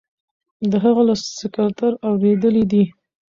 د هغه له سکرتر اوریدلي دي.